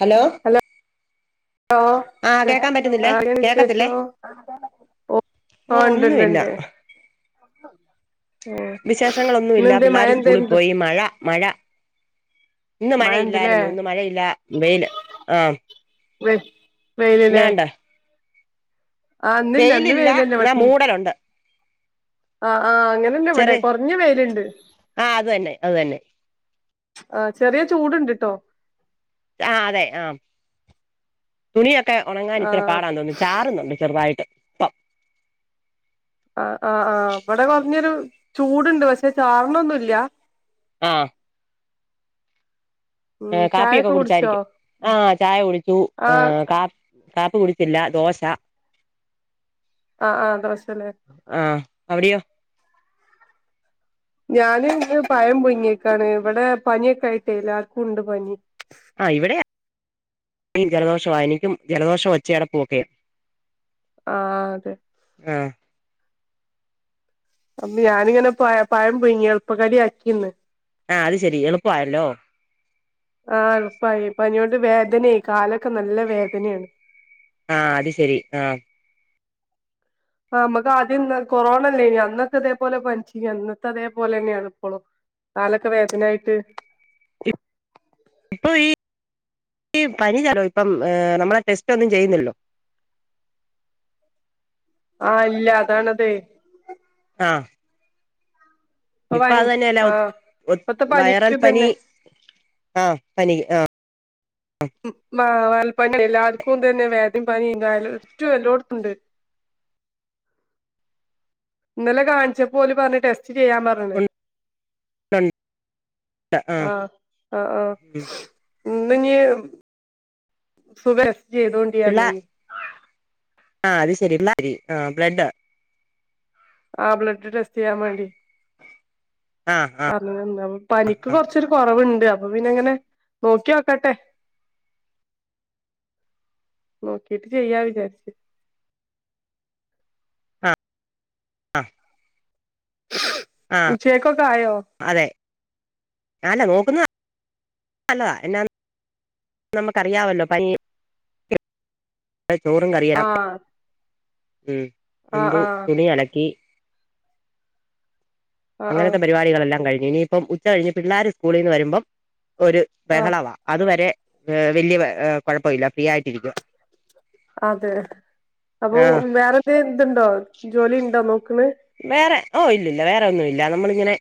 Hello hello ആഹ് കേക്കാൻ പറ്റുന്നില്ലേ ആ കേക്കത്തില്ലേ വിശേഷം ഓ ഓ ഉണ്ടെണ്ടുണ്ട് വിശേഷങ്ങളൊന്നുല്ല പിള്ളേര് സ്കൂളിൽ എന്തായിരുന്നു പോയി മഴ മഴ ഇന്ന് മഴണ്ട്ല്ലേ മഴയില്ലായിരുന്നു ഇന്ന് മഴയില്ല വെയില് ആ വെ വെയിലല്ലേ അവടെണ്ടോ ആ ഇന്നില്ല ഇന്ന് വെയിലില്ല വെയിലന്നെ ഇവിടെ എന്നാ മൂടലുണ്ട് ആ ആ അങ്ങനെന്നെ ഇവിടെ ചെറി കൊറഞ്ഞ വെയില്ണ്ട് ആ അത് തന്നെ അത് തന്നെ ആ ചെറിയ ചൂട്ണ്ട്ട്ടോ ആ അതെ ആ തുണിയ ഒക്കെ ആ ഒണങ്ങനിത്ര പാടാന്ന് തോന്നുന്ന് ചാറുന്നുണ്ട് ചെറുതായിട്ട് പ ആ ആ ആ ഇവടെ കൊറഞ്ഞൊരു ചൂടുണ്ട് പക്ഷെ ചാറ്ണൊന്നുല്ല ആ ഉം ഏ കാപ്പിയൊക്കെ ചായൊക്കെ കുടിച്ചോ കുടിച്ചായിരിക്കും ആ ചായ കുടിച്ചു ആ കാ കാപ്പി കുടിച്ചില്ല ദോശ ആ ആ ദോശല്ലേ ആ അവിടെയോ ഞാൻ ഇവിടെ പയം പുയിങ്ങി ഇരിക്കാൻ ആ ഇവിടെ ജലദോഷം മൂക്കടപ്പ് ഓക്കേ ആ ആ അതെ അ ഞാനിങ്ങനെ പ പഴം പുയ്ങ്ങി എളുപ്പക്കടി ആക്കിന്ന് ആ അത് ശെരി എളുപ്പായല്ലോ ആ എൾപ്പായി പനിയൊണ്ടേ വേദനെ കാലൊക്കെ നല്ല വേദനേണ് ആ അത് ശെരി ആ ആ മ്മക്ക് ആദ്യം കൊറോണ അല്ലേന്യോ അന്നൊക്കെ ഇതേപോലെ പനിച്ചിനി അന്നത്തെ അതേപോലെ തന്നെയാണ് ഇപ്പളും കാലൊക്കെ വേദനായിട്ട് പനി ജലോ ഇപ്പം നമ്മ ടെസ്റ്റോന്നും ചെയ്യുന്നില്ലല്ലോ ആ ഇല്ല അതാണതെ ആ ഇപ്പൊ ഭയ അത് തന്നെയല്ല ആഹ് ഇപ്പത്തെ വയറൽ പനിക്ക് പനി തന്നെ ആ പനി ആ ഉം മ - ൽപ്പനി എല്ലാവർക്കും തന്നെ വേദനിം പനിയും കാലും റ്റും എല്ലോട്ത്തുംണ്ട് ഇന്നലെ കാണ്ച്ചപോല് പറഞ്ഞ് ടെ സ്റ്റ്ചെയ്യാൻ പറഞ്ണ് ഉണ്ട് ആഹ് ആ ആ ആ ഉം ന്ന് ഞ്ഞ് സുഖേ ള്ള ആ അത് ശരി ള്ള ശരി ആ ബ്ലഡാ ആ ബ്ലഡ് ടെസ്റ്റ ചെയ്യാൻ വേണ്ടി ആഹ് ആഹ് പറഞ്ഞ്ണ്ടാവും പനിക്ക് ആഹ് കൊറച്ചു ഒരു കൊർവുണ്ട് അപ്പൊ പിന്നെങ്ങനെ നോക്ക്യോക്കട്ടെ നോക്കിട്ട് ചെയ്യാ വിചാരിച് അ ഉച്ചക്കൊക്കെ ആയോ അതെ അല്ല നോക്കുന്നത് നല്ലതാ എന്നാന്ന് നമുക്കറിയാമല്ലോ പനി അ ചോറും കറിയാം ആഹ് ഉം ആഹ് ന്തു ആഹ് തുണി അലക്കി ആഹ് ആഹ് അങ്ങനത്തെ പരിപാടികളെല്ലാം കഴിഞ്ഞു ഇനിയിപ്പം ഉച്ച കഴിഞ്ഞ് പിള്ളാര് സ്കൂളിന്ന് വരുമ്പം ഒര് ആഹ് ബഹളവാ അതുവരെ വലിയ കൊയഴപ്പമില്ല ഫ്രീ ആയിട്ടിരിക്ക അതെ അപ്പൊ വേറെന്തേ ഇതുണ്ടോ ജോലി ഉണ്ടോ നോക്ക്ണ് വേറെ ഓ ഇല്ലല്ല വേറെ ഒന്നും ഇല്ല നമ്മളിങ്ങനെ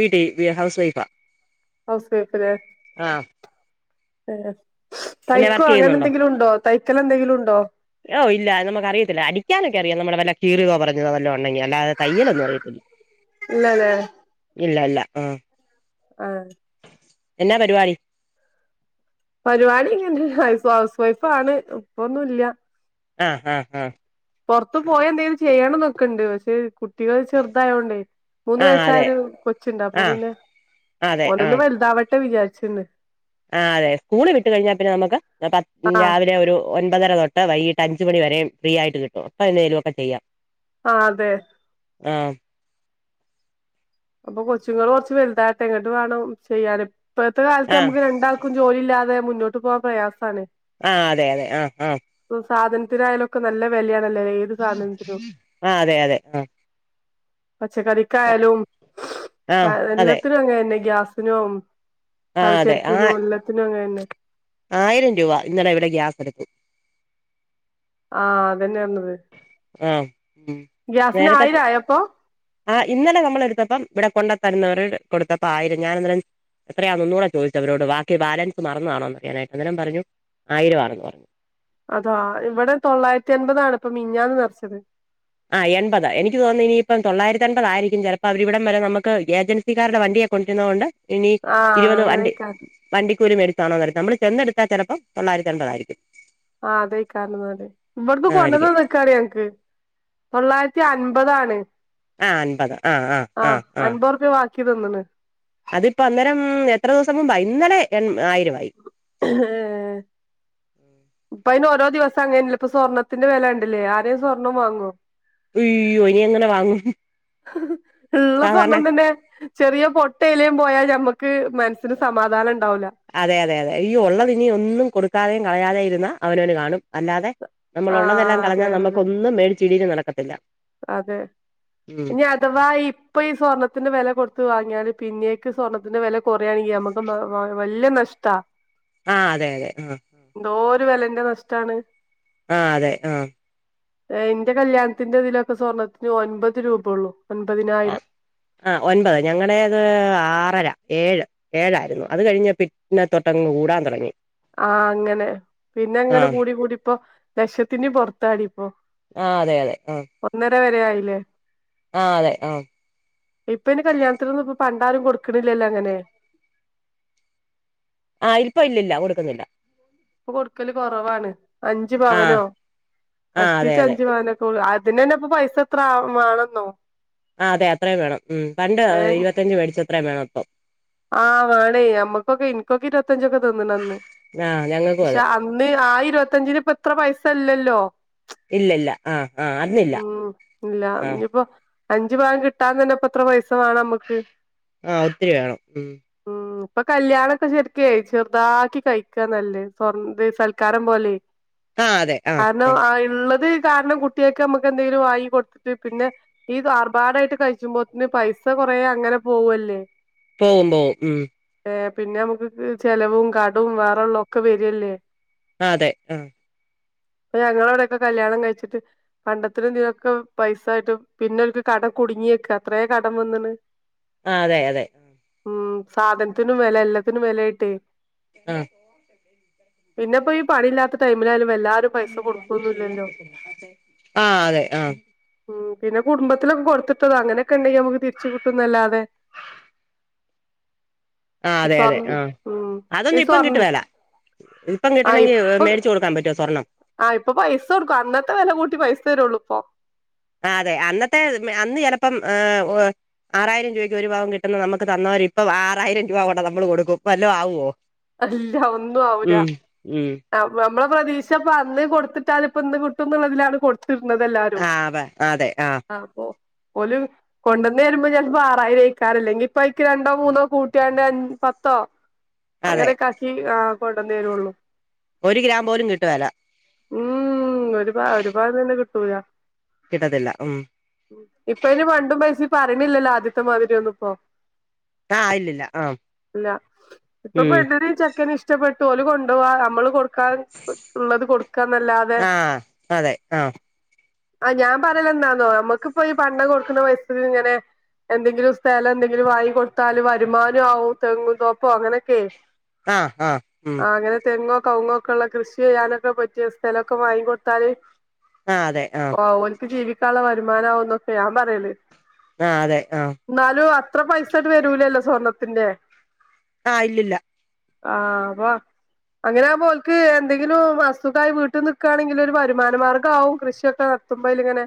വീട്ടിൽ ഹൗസ് വൈഫാ ഹൗസ് വൈഫല്ലേ ആഹ് ഏഹ് പിന്നെ തയ്ക്കോ വർക്ക് അങ്ങനെ ചെയ്യുന്നുണ്ടോ എന്തെങ്കിലുണ്ടോ തൈക്കല എന്തെങ്കിലും ഉണ്ടോ ഓ ഇല്ല നമുക്ക് അറിയത്തില്ല അടിക്കാനൊക്കെ അറിയാം നമ്മളെ വല്ല കീറിയതോ പറഞ്ഞതോ വല്ലോ ഉണ്ടെങ്കി അല്ലാതെ തയ്യലൊന്നും അറിയത്തില്ല ഇല്ലലെ ഇല്ല ഇല്ല ആഹ് ആ എന്നാ പരിവാടി പരിവാടി ഇങ്ങനെ ഹൗസ്ഫാ ഹൗസ് വൈഫാണ് ഇപ്പൊന്നുല്ല ആഹ് ആഹ് ആഹ് പൊറത്ത് പോയി എന്തേലും ചെയ്യണന്നൊക്കണ്ട് പക്ഷേ കു ട്ടികൾ ചെറുതായോണ്ടേ മൂന്ന് ആഹ് അതെ വയസ്സായൊരു കൊച്ച്ണ്ട് അപ്പൊ ആഹ് പിന്നെ അതെ ഓനൊന്നു ആഹ് വല്താവ ട്ടെ വിച്ചാരിച്ച്ണ് ആഹ് അതെ സ്കൂള് വിട്ട് കഴിഞ്ഞാ പിന്നെ നമ്മക്ക് പത് ആഹ് രാവിലെ ഒരു ഒൻപതര തൊട്ട് വൈകിട്ട് അഞ്ച് മണി വരേം ഫ്രീയായിട്ട് കിട്ടും അപ്പ എന്നേലൊക്ക ചെയ്യാ ആ അതെ ആഹ് അപ്പൊ കൊച്ചുങ്ങള് കുറച്ച് വലുതാവട്ടെ എങ്ങട്ട് വേണം ചെയ്യാന് ഇപ്പഴത്തെ കാലത്ത് ആഹ് നമ്മക്ക് രണ്ടാക്കും ജോലിയില്ലാതെ മുന്നോട്ട് പോവാൻ പ്രയാസാണ് ആഹ് അതെ അതെ ആഹ് ആഹ് സാധനത്തിന് ആയാലൊക്കെ നല്ല വിലയാണ് നല്ല ഏത് സാധനത്തിനും ആ അതെ അതെ ആ പച്ചക്കറിക്കായാലും ആ എല്ലാത്തിനും അങ്ങനെ തന്നെ ഗ്യാസ് സിനോം ആ അതെ ആ പലചെരക്കിനും എല്ലാത്തിനും അങ്ങനന്നെ ആയിരം രൂപ ഇന്നലെ ഇവിടെ ഗ്യാസ് എടുത്തു ആ അതന്നെ പറഞ്ഞത് ആ ഉം ഗ്യാസിന് ആയിരം ആയോ അപ്പൊ ആഹ് ഇന്നല നമ്മളെടുത്തപ്പം ഇവിടെ കൊണ്ടുത്തരുന്നവര് കൊടുത്തപ്പോ ആയിരം ഞാനിന്നലെ എത്രയാ മൂന്നുറ ചോദിച്ചത് അവരോട് വാക്കി ബാലൻസ് മറന്ന് കാണോന്നറിയാനായിട്ട് അന്നേരം പറഞ്ഞു ആയിരം ആണെന്ന് അതോ ഇവിടെ തൊള്ളായിരത്തി അൻപതാണ് ഇപ്പൊ മിനിഞ്ഞാന്ന് നിറച്ചത് ആ എൻപതാ എനിക്ക് തോന്നുന്നേ ഇനിയിപ്പം തൊള്ളായിരത്തി അൻപത് ആയിരിക്കും ചിലപ്പോ അവരിവിടം വരെ നമുക്ക് ഏജൻസിക്കാരുടെ വണ്ടിയേ കൊണ്ടു വരുന്നത് കൊണ്ട് ഇനി ആഹ് ഇരുപത് വണ്ടി അങ്ങനെക്കാരം വണ്ടി കൂലി [inaudible] നമ്മൾ ചെന്നെടുത്താൽ ചിലപ്പോ തൊള്ളായിരത്തി എൻപതായിരിക്കും ആ അതെകാരം ന്നാല് ഇവട്ന്ന് ആ കൊണ്ടെന്ന് ആയിരിക്കും തന്നക്കാണ് ഞങ്ങൾക്ക് തൊള്ളായിരത്തി അൻപത് ആണ് ആഹ് അൻപത് ആഹ് ആഹ് ആഹ് നിക്ക് തിന്ന്ണ് അതിപ്പ അന്നേരം എത്ര ദിവസം മുമ്പ ഇന്നലെ ആയിരവായി ഇപ്പ ഈ നോട്ട് ഓരോ ദിവസം അങ്ങനല്ലെ ഇപ്പൊ സ്വർണ്ണത്തിന്റെ വില കണ്ടില്ലേ ആരേലും സ്വർണ്ണം വാങ്ങോ അയ്യോ ഇനി എങ്ങനെ വാങ്ങും ഉള്ള സാധാരണ സ്വർണ്ണം തന്നെ ചെറിയ പൊട്ടിയേലും പോയാൽ നമ്മക്ക് മനസ്സിന് സമാധാനം ഉണ് അതെ അതെ അതെ ഈ ഉള്ളത് ഇനി ഒന്നും കൊടുക്കാതെ കളയാതേം ഇരുന്ന അവനോന് കാണും അല്ലാതെ നമ്മള് ഉള്ളതെല്ലാം ആഹ് അതെ കളഞ്ഞാൽ അതെ അതെ നമുക്കൊന്നും മേടിച്ച് തീരെ നടക്കത്തില്ല ഉം ഇനി അഥവാ ഇപ്പൊ ഈ സ്വർണ്ണത്തിന്റെ വില കൊടു കൊടുത്തു വാങ്ങിയാലും പിന്നേക്ക് സ്വർണത്തിന്റെ വില കുറയാണെങ്കിൽ നമുക്ക് നമുക്ക് ഒന്ന് വാങ്ങൽ വല്ല്യ നഷ്ട ആഹ് അതെ അതെ എന്ത് വെലേന്റെ നഷ്ട്ടാണ് ആഹ് അതെ ആഹ് എന്റെ കല്യാണത്തിന്റെ ഇതിലൊ സ്വർണ്ണത്തിന് ഒൻപത് രൂപെള്ളു ആഹ് ഒൻപത് ഞ ഏഴ് ഏഴായിരുന്നു അത് കഴിഞ്ഞ് പിന്നെ തൊട്ടങ്ങ് കൂടാൻ തുടങ്ങി ആഹ് അങ്ങനെ പിന്നെ ആ അങ്ങനെ കൂടി കൂടി ഇപ്പൊ ലക്ഷത്തിന്റെ പുറത്തായി ആഹ് അതെ അതെ ആഹ് ഇത് വരെ ആയില്ലേ ആ ഇപ്പൊ ഇനി കല്യാണത്തിനൊന്നും പണ്ടാരും കൊടുക്കണില്ലല്ലോ അങ്ങനെ ആഹ് ഇപ്പ ഇല്ലില്ല കൊടുക്കുന്നില്ല ഇപ്പൊ കൊടുക്കല് കൊറവാണ് അഞ്ചു ആ പവനോ ആ അതെ കഷ്ടിച്ച് അതെ അഞ്ച് പവനൊക്കെ അതിന്ന് തന്നെ അപ്പ പൈസ എത്ര ആവും ആഹ് അതെ അത്രയും വേണം ഉം പണ്ട് ഏഹ് ഇരുപത്തഞ്ച് മേടിച്ചത് അത്രയും വേണം അപ്പം ആഹ് വേണേ നമ്മക്കൊക്കെ എനിക്കൊക്കെ ഇരുപത്ത ഞ്ചൊക്കെ തന്ന് അന്ന് ആഹ് ഞങ്ങൾക്കും പക്ഷെ അതെ അന്ന് ആ ഇരുപത്തഞ്ചിന് ഇ ഇത്ര പൈസ ഇല്ലല്ലോ ഇല്ലില്ല ആഹ് ആഹ് അറിഞ്ഞില്ല ആഹ് അഞ്ച് ഭാഗം കിട്ടാതെ തന്നെ ഇപ്പം എത്ര പൈസ് വേണം നമ്മുക്ക് ആഹ് ഒത്തിരി വേണം ഉം ഇപ്പം കല്യാണൊക്കെ ശെരിക്കുവെ ചെറുതാക്കി കഴിക്കാന്നല്ലേ സ്വർന്ത് സൽക്കാരം പോലെ ആഹ് അതെ ആഹ് കാരണം ആഹ് ആ ഇള്ളത് കാരണം കുട്ടിയക്ക് നമ്മക്ക് എന്തേലും വാങ്ങി കൊടുത്തിട്ട് പിന്നെ ഈ ആർബാടായിട്ട് കഴിച്ചുമ്പോത്ന് പൈസ കൊറേ അങ്ങനെ പോവു അല്ലേ പോവും പോവും ഉം ഏ പിന്നെ നമുക്കുക്ക് ചെലവും കടവും വേറുള്ള ഒക്കെ വെരി അല്ലേ ആ അതെ ഉം ഞങ്ങളവിടെക്കെ കല്യാണം കഴിച്ചിട്ട് പണ്ടത്തി [unintelligible] പൈസായിട്ടും പിന്നെ അവർക്ക് കടം കുടുങ്ങിയിക്ക അത്രേം കടം വന്നിണ് ആ അതെ അതെ ഉം സാധനത്തിനും വെല എല്ലത്തിനും വെലായിട്ടേ ആഹ് പിന്നിപ്പം ഈ പണി ഇല്ലാത്ത ടൈമിലായാലും എല്ലാരും പൈസ കൊടുക്കൊന്നുല്ലല്ലോ ആഹ് അതെ ആഹ് ഉം പിന്നെ കുടുംബത്തിലൊക്കെ കൊടുത്തിട്ടതോ അങ്ങനെയൊക്കെ ഇണ്ടെങ്കി നമുക്ക് തിരിച്ചു കിട്ടുന്നല്ലാതെ ആഹ് അതെ സ്വർൺ അതെ ആഹ് ഉം ഈ അതൊന്നും ഇപ്പം സ്വർൺ കിട്ടുവേല ഇപ്പം ആ കിട്ടണമെങ്കിൽ ഇപ്പൊ മേടിച്ചു കൊടുക്കാൻ പറ്റുവോ സ്വർണ്ണം ആഹ് ഇപ്പൊ പൈസ കൊടുക്കും അന്നത്തെ വെല കൂട്ടി പൈസ തരുള്ളൂ [unintelligible] ആ അതെ അന്നത്തെ അന്ന് ചെലപ്പം ഏ ഉഹ് ആറായിരം രൂവയ്ക്ക് ഒരു പവൻ കിട്ടുന്ന നമുക്ക് തന്നവര് ഇപ്പം ആറായിരം രൂവ കൊണ്ട് നമ്മള് കൊടുക്കും വല്ലോ ആവോ? അല്ല ഒന്നും ആവൂല ഉം [unintelligible] ഇമ്മടെ പ്രതീക്ഷ ഇപ്പ അന്ന് കൊടുത്തിട്ടാലും ഇപ്പ ഇന്ന് കിട്ടുന്നിള്ളതിലാണ് കൊടു ആ അതെ അതെ ആഹ് അപ്പൊ ഓല് കൊണ്ടൊന്ന് തരുമ്പോ ചെലപ്പം ആറായിരം ഐക്കാരം അല്ലെങ്കി ഇപ്പൊ അയ്ക്ക് രണ്ടോ മൂന്നോ കൂട്ടിയാണ്ട് അഞ് പത്തോ അതെ അങ്ങനെയൊക്കെ ആക്കി ആഹ് കൊണ്ടന്നരോള്ളൂ ഒരു ഗ്രാം പോലും കിട്ടുവേല ഉം ഒരുപാ ഒരു പവൻ തന്നെ കിട്ടൂല കിട്ടത്തില്ല ഉം ഇപ്പോ അയിന് പണ്ടോം പൈസയും പറയണില്ലല്ലോ ആദ്യത്തെ മാതിരി ഒന്നും ഇപ്പോ ആഹ് ഇല്ലില്ല ആഹ് ഇപ്പോ ഉം പെണ്ണിനും ചെക് ഇഷ്ടപ്പെട്ടു ഓല് കൊണ്ടോവാ നമ്മള് കൊടു ക്കാ ഇള്ളത് കൊടുക്കാന്നല്ലാതെ ആഹ് അതെ ആഹ് ആ ഞാൻ പറയല് എന്താന്നോ നമ്മുക്കിപ്പൊ ഈ പണ്ടം കൊടുക്കണ പൈസേൽ ഇങ്ങനെ എന്തെങ്കിലും സ്ഥലം എന്തെങ്കിലും വാങ്ങി കൊടുത്താല് വരുമാനം ആവും തെങ്ങും തോപ്പോ അങ്ങനെ ഒക്കേയ് ആ ആ ഉം കവുങ്ങൊക്കെ ഇള്ള കൃഷി ചെയ്യാനൊക്കെ പറ്റിയ സ്ഥലൊക്കെ വാങ്ങി കൊടുത്താല് ആഹ് അതെ ആഹ് ഓര്ക്ക് ജീവിക് ക്കുള്ള വരുമാനം ആവുന്നൊക്കെയാ ഞാൻ പറയല് ആ അതെ ആഹ് എന്നാലും അത്ര പൈസ വരൂല്ലല്ലോ സ്വർണ്ണത്തിന്റെ ആ ഇല്ലില്ല ആ അപ്പൊ അങ്ങനെയാവുമ്പോ ഓൽക്ക് എന്തെങ്കിലും വസ്തുക്കായി വീട്ടി നിക്കാണെങ്കിലൊരു വരുമാന മാർഗ്ഗാവും കൃഷി ഒക്കെ നടത്തുമ്പോ അതിലിങ്ങനെ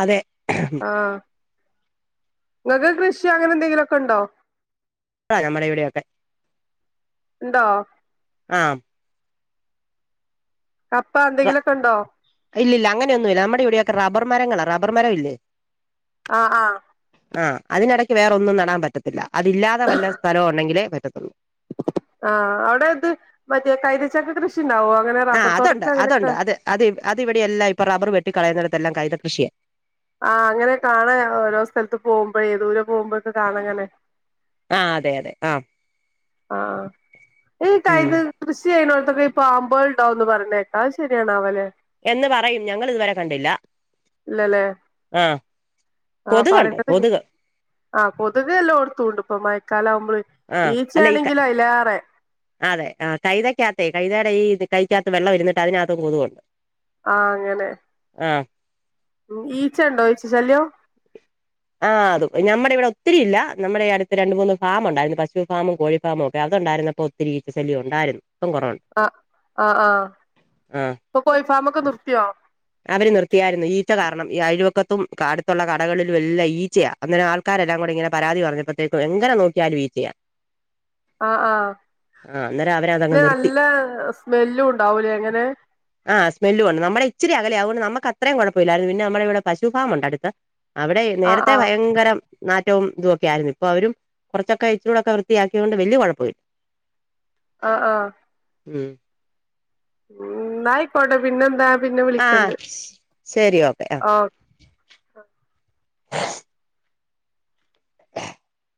അതെ ആ ഇങ്ങക്ക് കൃഷി അങ്ങനെ എന്തെങ്കിലും ഒക്കെ ഉണ്ടോ [unintelligible] നമ്മടെ ഇവിടെയൊക്കെ ഇണ്ടോ ആ കപ്പ [unintelligible] എന്തെങ്കിലുമൊക്കെ ഉണ്ടോ ഇല്ലില്ല അങ്ങനെ ഒന്നും ഇല്ല നമ്മടെ ഇവിടെയൊക്കെ റബ്ബർ മരങ്ങളാ റബ്ബർ മരം ഇല്ലേ ആ ആ ആ അതിനഇടക്ക് വേറൊന്നും നടാൻ പറ്റത്തില്ല അതില്ലാതെ വല്ല സ്ഥലം ഉണ്ടെങ്കിലേ പ [inaudible] ആ ആ അവിടെ ഇത് മറ്റെ കൈതച്ചക്ക കൃഷി ഉണ്ടാവോ അങ്ങനെ ആ റബ്ബർ അതൊണ്ട് തോട്ടത്തിൽ അങ്ങനെയൊക്കെ അതൊണ്ടു അത്അത് ഇവിടെയെല്ലാം റബ്ബർ വെട്ടി കളയുന്നിടത്തെല്ലാം കൈതകൃഷിയാ ആ അങ്ങനെ കാണാം ഓരോ സ്ഥലത്തു പോകുമ്പോ ദൂരെ പോകുമ്പോ കാണ ങ്ങനെ ആ അതെയതെ ആ ആ ഈ ഉം കൈതകൃഷി ചെയ്യണോ ഈ പാമ്പുകൾ ഉണ്ടാവുമെന്ന് പറയുന്നത്കേൾകാം അത് ശെരിയണവലെ എന്ന് പറയും ഞങ്ങൾ ഇതുവരെ കണ്ടില്ല ഇല്ലലേ ആഹ് ആ കൊതുകുണ്ട് പറയുന്നത് കൊതുക് കേൾ--ആ പൊതുവെ എല്ലാടത്തും ഉണ്ട് പ്പംമഴക്കാലമാകുമ്പോൾ ആഹ് ഈച്ച അല്ല ഈ ആണെങ്കിൽ അയിലേറെ [unintelligible] അതെ കൈതക്കത്ത് കൈതെടെഈ കൈക്കാത്തു വെള്ളം ഇരുന്ന് അതിനകത്തു കൊതുക് ഉണ്ട് ആ അങ്ങനെ ആ ഈച്ച ഉണ്ടോ ഈച്ച ശല്യം ആ അതും നമ്മുടെ ഇവിടെ ഒത്തിരി ഇല്ല നമ്മുടെ അടുത്ത് രണ്ടുമൂന്നു ഫാം ഉണ്ടായിരുന്നു പശുഫാംമും കോഴി ഫാമുമൊക്കെ അതോണ്ടായിരുന്നപ്പോൾ ഈച്ച ശല്യം ഉണ്ടായിരുന്നു. ഇപ്പം കുറവുണ്ട് ആ ആ ആ ഇപ്പൊ കോഴിഫാമൊക്ക നിർത്തിയോ? അവര് നിർത്തിയായിരുന്നു ഈച്ച കാരണം ഈ അയൽ വക്കത്തും അടുത്തുള്ള കടകളിലൊല്ലാം ഈ ഈച്ചയാ അന്നേരം ആൾക്കാരല്ലാകൂടെ ഇങ്ങനെ പരാതി പറഞ്ഞപ്പോഴേത്തേക്കും എന്ന ന നോക്കിയാലും ഈച്ചയാ ആ ആ ആ അന്നേരം അവരതങ്ങ് ഇതിന് നിർത്തി നല്ല സ്മെല്ലും ഉണ്ടാവുലെ ഇങ്ങനെ ആ സ്മെല്ലും ഉണ്ട് നമ്മുടെ ഇച്ചിരി അകലേയാ അതുകൊണ്ട് നമുക്ക് അത്രയും കൊഴപ്പമില്ല പിന്നെ നമ്മുടെ ഇവിടെ പശു ഫാം ഉണ്ട് അടുത്ത് അവിടെ നേര ആഹ് ഇവിടെ ആഹ് ഭയങ്കരം ന നാറ്റവും ഇതുമൊക്കെയായിരുന്നു ഇപ്പോ അവരും കുറച്ചൊക്കെ ഇച്ചിരൂടെ ഒക്കെയും വൃത്തിയാക്കിയോണ്ട് വലിയ കുഴപ്പമില്ല ആ ആ ഉം എന്നായിക്കോട്ടേ പിന്നെന്താ പിന്നെ ആ വിളിക്കണ്ട് ശരി ഓക്കെ അ ഓ [unintelligible]